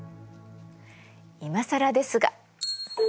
いまさらですが。